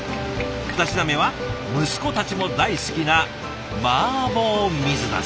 ふた品目は息子たちも大好きなマーボー水なす。